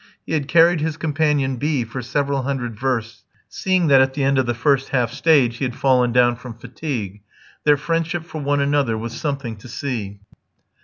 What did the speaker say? He had carried his companion B for several hundred versts, seeing that at the end of the first half stage he had fallen down from fatigue. Their friendship for one another was something to see.